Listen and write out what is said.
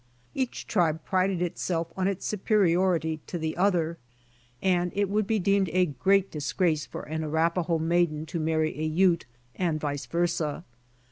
Each tribe prided itself on its superiority to the other, and it would be deemed a gTeat disgrace for an Arapahoe maiden to marry a Ute, and vice versa.